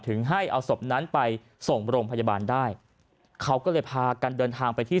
ให้เอาศพนั้นไปส่งโรงพยาบาลได้เขาก็เลยพากันเดินทางไปที่